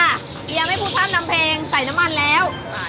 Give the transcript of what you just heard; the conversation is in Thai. เนี่ยไม่พูดส้ามน้ำเพงใส่น้ำมันแล้วนะ